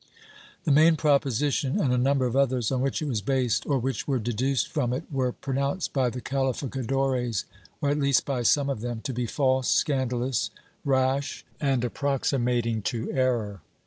The main proposition, and a num ber of others, on which it was based, or which were deduced from it, were pronounced by the calificadores, or at least by some of them, to be false, scandalous, rash and approximating to error.